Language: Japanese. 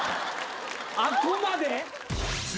あっこまで？